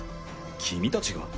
君たちが？